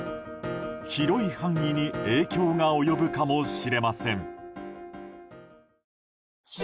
広い範囲に影響が及ぶかもしれません。